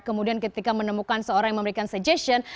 kemudian ketika menemukan seorang yang memberikan suggestion